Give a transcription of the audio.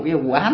cái vụ án